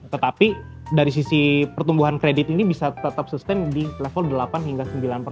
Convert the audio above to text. tetapi dari sisi pertumbuhan kredit ini bisa tetap sustain di level delapan hingga sembilan persen